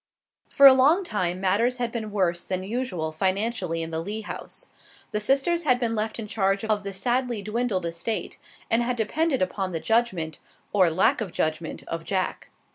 For a long time matters had been worse than usual financially in the Lee house. The sisters had been left in charge of the sadly dwindled estate, and had depended upon the judgment, or lack of judgment, of Jack.